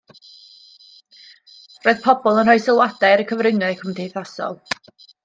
Roedd pobl yn rhoi sylwadau ar y cyfryngau cymdeithasol.